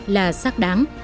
là xác đáng